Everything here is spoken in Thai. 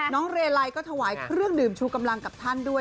เรไลก็ถวายเครื่องดื่มชูกำลังกับท่านด้วย